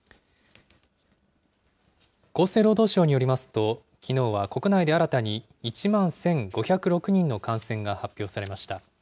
厚生労働省によりますと、きのうは国内で新たに１万１５０６人の感染が発表されました。